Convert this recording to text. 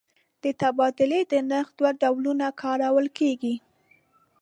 د تبادلې د نرخ دوه ډولونه کارول کېږي.